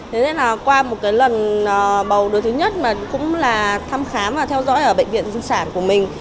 thế nên là qua một cái lần bầu đứa thứ nhất mà cũng là thăm khám và theo dõi ở bệnh viện sinh sản của mình